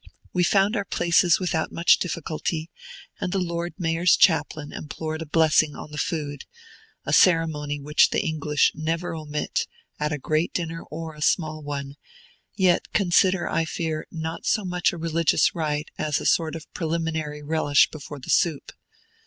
We found our places without much difficulty, and the Lord Mayor's chaplain implored a blessing on the food, a ceremony which the English never omit, at a great dinner or a small one, yet consider, I fear, not so much a religious rite as a sort of preliminary relish before the soup.